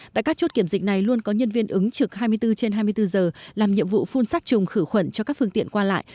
tại các chốt kiểm dịch này luôn có nhân viên ứng trực hai mươi bốn trên hai mươi bốn giờ làm nhiệm vụ phun sát trùng khử khuẩn cho các phương tiện qua lại